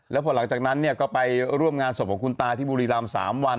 แล้วพอหลังจากนั้นเนี่ยก็ไปร่วมงานศพของคุณตาที่บุรีรำ๓วัน